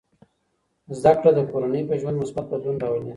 زده کړه د کورنۍ په ژوند مثبت بدلون راولي.